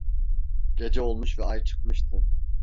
Gece olmuş ve ay çıkmıştı.